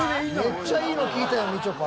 めっちゃいいの聞いたよみちょぱ。